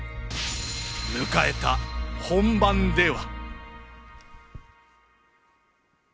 迎えた本番では。